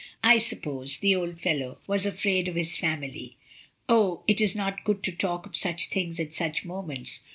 I suppose the old fellow was afraid of his family." "Oh! It is not good to talk of such things at such moments.